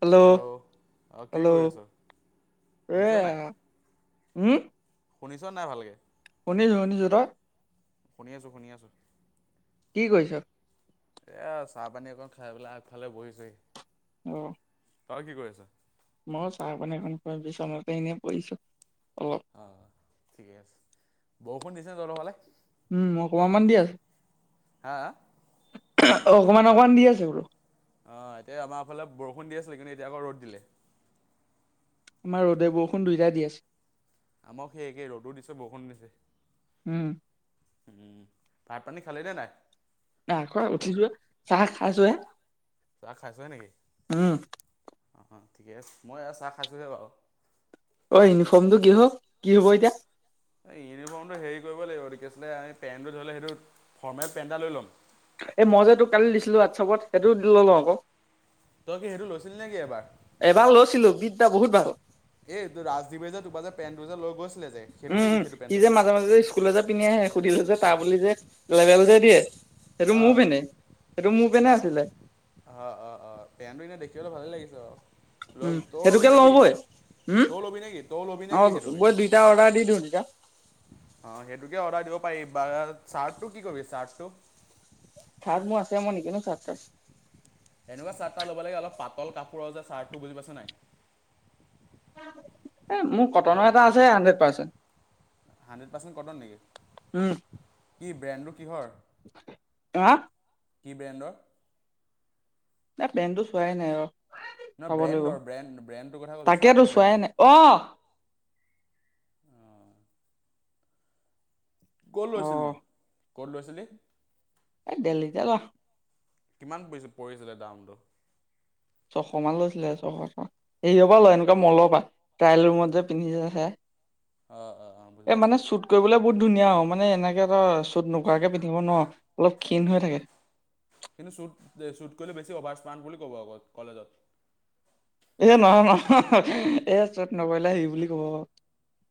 Hello, অঁ কি hello, কৰি আছ শুনিছ এয়া নাই হুম। শুনিছ নে নাই ভালকে? শুনিছো শুনিছো ত‌ই? শুনি আছোঁ শুনি আছোঁ। কি কৰিছ? এইয়া চাহপানী অকণ খাই পেলাই আগফালে বহিছেহি। অ তই কি কৰি আছ? মই চাহ পানী অকণ খাই বিচনাতে এনেই পৰি আছোঁ অ। অ অ ঠিকে আছে বৰষুণ দিছেনে তহঁতৰফালে? উম অকণমান অকণমান দি আছে। হা হা? অঁ অকণমান অকণমান দি আছে বোলো। অ' এতিয়া আমাৰফালে বৰষুণ দি আছিলে কিন্তু এতিয়া আকৌ ৰ'দ দিলে। মানে ৰ'দে বৰষুণ দুইটাই দি আছে। আমাৰো সেই একে ৰ'দো দিছে বৰষুনো দিছে। উম উম, ভাত পানী খালি নে নাই? নাই খোৱা, উঠিছো হে, চাহ খাইছো হে। চাহ খাইছ হে নেকি, উম অ'-অ ঠিকে আছে, মই এয়া চাহ খাইছোঁহে বাৰু। অ' ইউনিফৰ্মটো কি হল, কি হব এতিয়া? এই ইউনিফৰ্মটো হেৰি কৰিব লাগিব এইটো কি আছিলে আমি পেণ্টটো ধৰি ল সেইটো ফৰ্মেল পেণ্ট এটা লৈ ল'ম। এই মই যে তোক কালি দিছিলো হোৱাটছআপত সেইটো লৈ ল‌ও আক। তই কি সেইটো লৈছিলি নেকি এবাৰ? এবাৰ লৈছিলো বিদ্যা বহুত ভাল। এ ৰাজদ্বীপে যে তোৰ পা যে পেণ্টটো যে লৈ গৈছিলে যে সেইটো উম, নেকি সেইটো সি যে পেণ্ট? মাজে মাজে যে স্কুললে যে পিন্ধি আহে সুধিলে যে তাৰ বুলি যে লেবেল যে দিয়ে। সেইটো মোৰ অ', পেনে সেইটো মোৰ পেনে অ'। আছিলে অ'- অ'-অ' পেণ্টটো এনে দেখিবলে ভালে লাগিছে উম, বাৰু। তয়ো সেইটোকে ল'বি নেকি ল'বই। তয়ো ল'বি নেকি তয়ো ল'বি নেকি সেইটোকে? এতিয়া অৰ্ডাৰ দি দিওঁ তেতিয়া। অ' সেইটোকে অৰ্ডাৰ দিব পাৰি বা চাৰ্টটো কি কৰিবি চাৰ্টটো? চাৰ্ট মোৰ আছে ম‌ই নিকিনো চাৰ্ট টাৰ্ট। এনেকুৱা চাৰ্ট এটা লব লাগে অলপ পাতল কাপোৰৰ যে চাৰ্টটো বুজি পাইছ নাই? এ মোৰ কটনৰ এটা আছে hundred percent. Hundred percent cotton um, নেকি কি ব্ৰেণ্ডটো কিহৰ? হা? কি ব্ৰেণ্ডৰ? এ ব্ৰেণ্ডটো চোৱাই নাই ৰহ। নহয় ব্ৰেণ্ডৰ ব্ৰেণ্ড ব্ৰেণ্ড টোৰ কথা কৈছো তাকেতো চাৰ্টৰ চোৱাই ব্ৰেণ্ডটো। নাই অ'। ক'ত লৈছিলি অ', নো ক'ত লৈছিলি? এ দেলহিতে লম। কিমান পৰি পৰিছিলে দামটো? ছশ মান লৈছিলে ছয়শ। হেৰিয়ৰ পৰা লয় এনেকুৱা মলৰ পা ট্ৰায়েল ৰুমত যে পিন্ধি যে আহে। অ'-অ'-অ' বুজি পাইছোঁ। কৰিবলে বহুত ধুনীয়া অ' মানে এনেকে ধৰ চুট নকৰাকে পিন্ধিব নোৱাৰ অলপ ক্ষীণ হৈ থাকে। কিন্তু শ্বুট শ্বুট কৰিলে বেছি অভাৰ ইছৰ্মাৰ্ট বুলি ক'ব আক কলেজত এ নহয় নহয় এ শ্বুট নকৰিলে হেৰি বুলি কব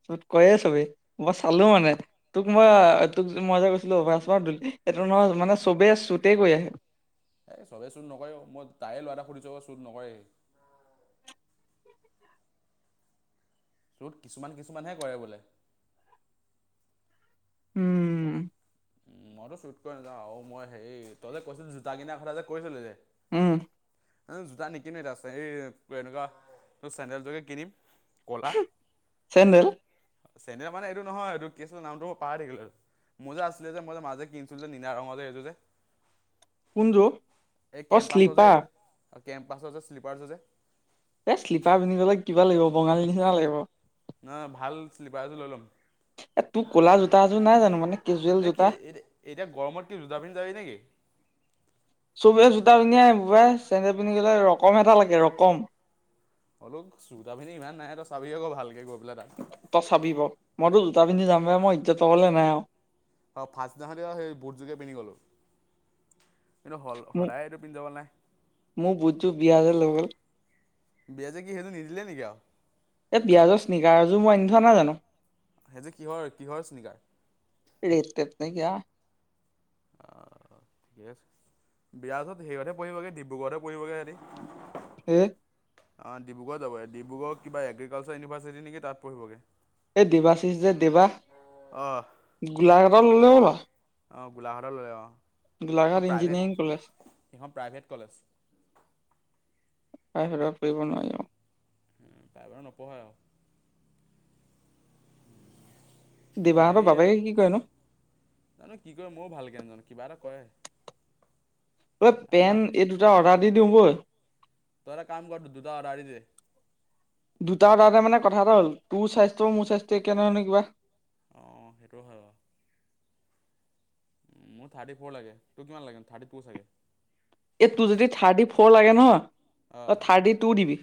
শ্বুট কৰে চবিই মই চালোঁ মানে তোক মই তোক মই যে কৈছিলো অভাৰ স্মাৰ্ট সেইটো নহয় মানে চবে শ্বুটে কৰি আহে এ চবেই শ্বুট নকৰে মই তাৰে ল'ৰা এটাক সুধিছোঁ শ্বুট নকৰে সি কিছুমান কিছুমানহে কৰে বোলে উম মইতো শ্বুট কৰি নাযাওঁ আৰু মই হেৰি তই যে কৈছিলি জোতা কিনাৰ কথা যে কৈছিলি যে উম আৰু জোতা নিকিনো এতিয়া হেই এই এনেকুৱা চেন্দেলযোকে কিনিম। কলা চেণ্ডেল চেন্দেল মানে এইটো নহয় এইটো কি আছিল নামটো পাহৰি থাকিলো। মোৰ যে আছিলে যে মই মাজে কিনছিলো যে নীলা ৰঙৰ যে এইযোৰ যে। কোনযোৰ এই অ কেম্পাছৰ যে এই শ্লিপাৰ যে কেম্পাছৰ যে শ্লিপাৰটো যে। এই শ্লিপাৰ পিন্ধিব গ'লে কিবা লাগিব বঙালী নিচিনা লাগিব। নহয়, ভাল শ্লিপাৰ এযোৰ লৈ ল'ম। এ' তোৰ ক'লা জোতা এযোৰ নাই জানো, মানে কেজুৱেল এ কি জোতা? এতিয়া এতিয়া গৰমত কি জোতা পিন্ধি যাবি নেকি? চবেই জোতা পিন্ধিয়ে আহে বুপাই, চেন্দল পিন্ধি গ'লে ৰকম এটা লাগে ৰকম। হ'লো জোতা পিন্ধি ইমান নাই তা'ত, চাবি আকৌ ভালকৈ গৈ পেলাই তা'ত। তই চাবি ক' মইতো জোতা পিন্ধি যাম বাৰু মই ইজ্জত হ'লে নাই আৰু। অঁ', ফাৰ্ষ্ট দিনাখনতে সেই বুটযোগে পিন্ধি গ'লোঁ, কিন্তু মোক সদায় এইটো পিন্ধিা জাবলে নাই। মোৰ বুতটো বিৰাজে লৈ গ'ল। বিৰাজে কি সেইজোৰ নিদিলে নেকি আৰু? এই বিয়াজৰ চিকগাৰ এযোৰ আনি থোৱা নাই জানো। সেই যোৰ কিহৰ, কিহৰ চিকগাৰ? ৰেট-টেত নাইকিয়া। অহ', ঠিকে আছে। বিৰাজে সিহঁতে পঢ়িবগৈ ডিব্ৰুগড়তে পঢ়িবগে সেহঁতি। উম। অঁহ', -ডিব্ৰুগড় যাব, ডিব্ৰগড় কিবা এগ্ৰিকালচাৰ ইউনিভাৰ্চিটি নেকি তা'ত পঢ়িবগৈ। এই দেবাচিচ যে দেবা অ' গোলাঘাটত ল'লে নেকি বাৰু? অঁহ', গোলাঘাট ল'লে অঁহ', গোলাঘাট এখন প্ৰাইভেট, ইঞ্জিনিয়াৰিং কলেজ সেইখন প্ৰাইভেট কলেজ। প্ৰাইভেট পঢ়িব নোৱাৰি অ। উম' প্ৰাইভেটত নপঢ়ায় আৰু। দেৱাহঁতৰ বাকী'- বাপেকে কি কৰেনো জানো কি কৰে ময়ও ভালকৈ নাজানো, কিবা এটা কৰে। ঐ আমাৰ পেণ্ট এই দুটা অৰ্ডাৰ দি দিওঁ গৈ। তই এটা কাম কৰ দুটা অৰ্ডাৰ দি দে। দুটা অৰ্ডাৰতে মানে কথা এটা হ'ল, তোৰ স্থ্যছ মোৰ স্থ্যছটো একেই নহয়, নহয় কিবা। অঁ, সেইটো হয় বাৰু। মোৰ থাৰ্টি ফ'ৰ লাগে। তোক কিমান লাগে থাৰ্টি টু চাগে? এ' তোৰ যদি থাৰ্টি ফ'ৰ লাগে ন' তই থাৰ্টি টু দিবি।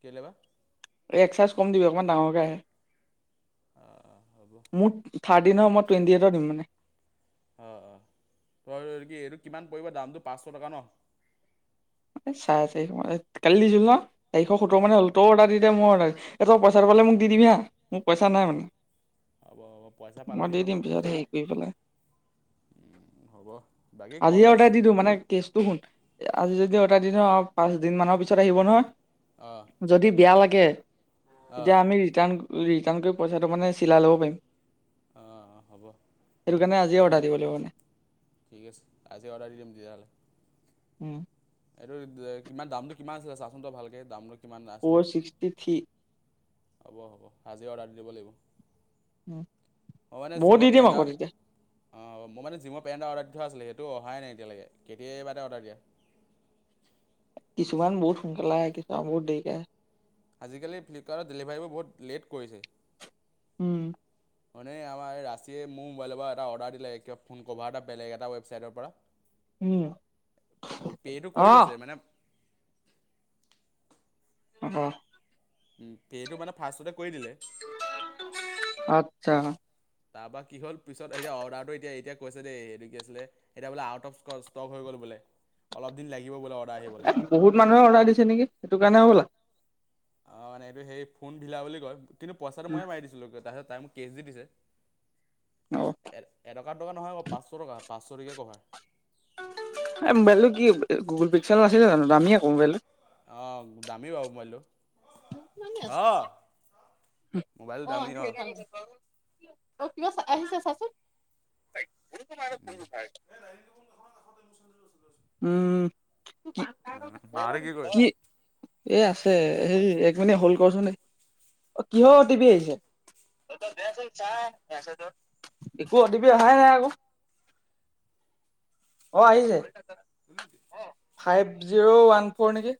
কেলেই বাঃ? এক্স চাইজ কম দিবি অকণমান ডাঙৰকে আহে। অহ', - অহ', - হ'ব। মোৰ থাৰ্ডিনৰ মই টুৱেণ্টি এটা দিম মানে। অহ', - অহ', -। ত' কি এইটো কিমান পৰিব দামটো পাঁচশ টকা ন? চাৰে তাৰিখ মান কালি দিছিল ন' চাৰিশ সতৰ মানে অঁ হ'ল। তও অৰ্ডাৰ দি দে মইও অৰ্ডাৰ দি দিওঁ। তই পইচাটো মোক দি দিবি হাঁ, মোৰ পইচা নাই মানে। হ'ব হ'ব পইচা পালে মই দি দিম বাৰু পিছত প- হেৰি কৰি পেলাই। হ'ব বাকী আজিয়ে কলেজ অৰ্ডাৰ দি দিওঁ, মানে কেচ- শুন আজি যদি এটা দিনৰ পাঁচ দিন মানৰ পিছত আহিব নহয়। অঁহ। যদি বেয়া লাগে, তেতিয়া আমি ৰিটাৰ্ণ-ৰিটাৰ্ণ কৰি পইচাটো মানে চিলাই ল'ব পাৰিম। অঁহ', - অঁহ', -হ'ব। সেই কাৰণে আজিয়ে অৰ্ডাৰ দিব লাগিব। ঠিক আছে। আজি অৰ্ডাৰ দিম তেতিয়াহ'লে উম। এইটো দে কিমান দামটো কিমান আছিলে চাচোন তো ভালকে দামটো কিমান আছিলে ফ'ৰ ছিক্সটি থ্ৰি। হ'ব হ'ব আজি অৰ্ডাৰ দি দিব লাগিব। অঁ মানে বহুত দি জিমৰ দিম পেণ্ড দা আকৌ তেতিয়া অঁ মই মানে জিমৰ পেণ্ট এটা অৰ্ডাৰ দি থোৱা আছিলে, সেইটো অহাই নাই এতিয়ালেকে কেতিয়াবা তেই অৰ্ডাৰ দিয়া। কিছুমান বহুত সোনকালে আহে কিছুমান বহুত দেৰিকে আহে। আজিকালি ফ্লিপকাৰ্টৰ ডেলিভাৰীবোৰ বহুত লেট কৰিছে। উম। ভনী এ আমাৰ এই ৰাছচীয়ে মোৰ মোবাইলৰ পৰা এটা অৰ্ডাৰ দিলে, কিবা ফোন কভাৰ এটা বেলেগ এটা ৱেবছাইটৰ পৰা উম পে টো অ কৰি লৈছে মানে, অ' ওম পেটো মানে ফাৰ্ষ্টতে কৰি দিলে। [unintelligible] আচ্ছা। তাৰপৰা কি হ'ল, পিছত এতিয়া অৰ্ডাৰটো এতিয়া এতিয়া কৈছে দেই। এইটো কি আছিলে এতিয়া বোলে আউট অফ স্কত ষ্টক হৈ গ'ল বোলে। অলপ দিন লাগিব বোলে অৰ্ডাৰ আহিবলে বহুত মানুহে অৰ্ডাৰ দিছে নেকি, সেইটো কাৰণে হ'বলা। অঁ মানে এইটো সেই, ফোন ভিলা বুলি কয়। কিন্তু পইচাটো মই মাৰি দিছিলো তাৰপিছত তাই মোক কেচ দি দিছে। অঁ এ এটকা দুটকা নহয় আক' পাচশ টকা। পাঁচশ টকিয়া ক'ভাৰ। এই মোবাইলটো কি গুগুল পিক্সেল নাছিলে জানো দামীয়ে আক' মোবাইলটো অঁ দামী বাৰু মোবাইলটো অহ অঁ। আহি ভালকে অ কিবা আহিছে চাচোন [unintelligible] উম। মাহঁতে কি কৰিছে? এ আছে হেই এক মিনিট হোল কৰচোন। অ' কিহৰ অ টি পি আহিছে? দে চোন চাই, একো অ তি পি অহাই নাই আক' অ' আহিছে। [unintelligible] ফাইভ জিৰ' ওৱান ফ'ৰ নেকি।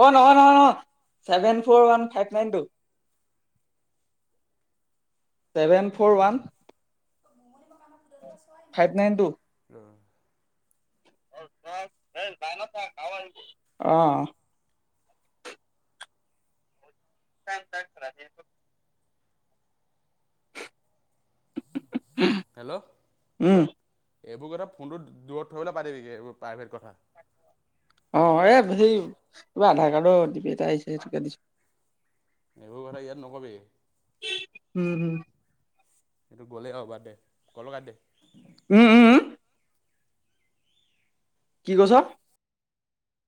অ' নহয় নহয় নহয়। Seven four one five nine two. Seven, four, one, five nine two [unintelligible] অঁ [unintelligible] অঁহ [unintelligible] হেল্ল'ও উম এইবোৰ কথা ফোনটো দূৰত থৈ পেলালৈ পাতিবিগে, এইবোৰ প্ৰাইভেট কথা। অ' ৰে সেই কিবা আধাৰ কাৰ্ডৰ অ' টি পি এটা আহিছে সেইটোকে দিছো। এইবোৰ কথা ইয়াত নকবি। হোম হুম সেইটো গ'লেই আও বাদ ক'ল টো কাটিদে উম উম। উম কি কৈছ?